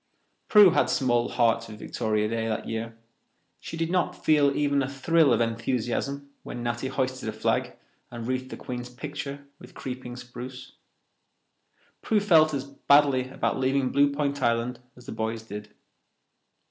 Prue had small heart for Victoria Day that year. She did not feel even a thrill of enthusiasm when Natty hoisted a flag and wreathed the Queen's picture with creeping spruce. Prue felt as badly about leaving Blue Point Island as the boys did.